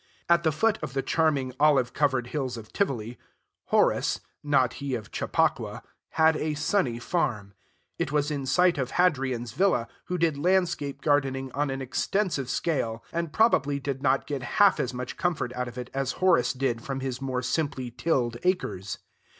At the foot of the charming olive covered hills of Tivoli, Horace (not he of Chappaqua) had a sunny farm: it was in sight of Hadrian's villa, who did landscape gardening on an extensive scale, and probably did not get half as much comfort out of it as Horace did from his more simply tilled acres.